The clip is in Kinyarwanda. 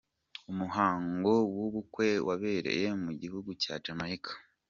Umuhango w’ubukwe wabereye mu gihugu cya Jamaica.